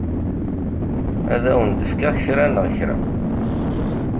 Ad awen-d-fkeɣ kra neɣ kra.